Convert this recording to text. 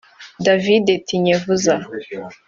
David Tinyefuza